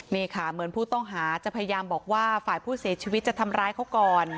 นี่ค่ะเหมือนผู้ต้องหาจะพยายามบอกว่าฝ่ายผู้เสียชีวิตจะทำร้ายเขาก่อน